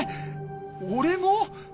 俺も？